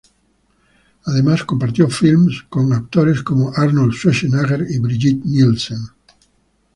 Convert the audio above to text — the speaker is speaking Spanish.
Además compartió filmes con actores como Arnold Schwarzenegger y Brigitte Nielsen.